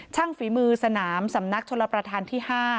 ฝีมือสนามสำนักชลประธานที่๕